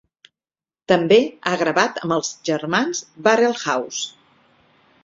També ha gravat amb els germans Barrelhouse.